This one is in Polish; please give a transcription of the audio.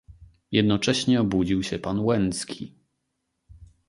"Jednocześnie obudził się pan Łęcki."